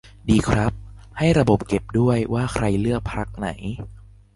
ดีครับ ให้ระบบเก็บด้วย ว่าใครเลือกพรรคไหน